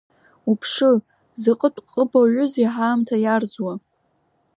Уԥшы, закәытә ҟыбаҩузеи ҳаамҭа иарӡуа!